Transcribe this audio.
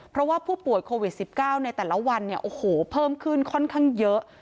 เพราะว่าผู้ป่วยโควิด๑๙ในแต่ละวันเนี่ยโอ้โหเพิ่มขึ้นค่อนข้างเยอะ